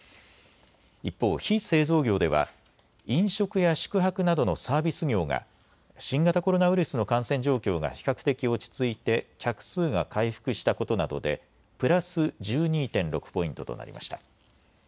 一方、非製造業では飲食や宿泊などのサービス業が新型コロナウイルスの感染状況が比較的落ち着いて客数が回復したことなどでプラス１２．６ポイントとなりました。